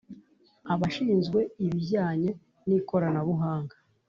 abashinzwe ibijyanye n’ikoranabuhanga